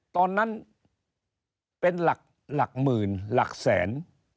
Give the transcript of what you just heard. ตอนนั้นเป็นหลักหมื่นหลักแสน